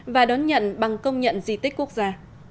và đón nhận bằng công nhận di tích quốc gia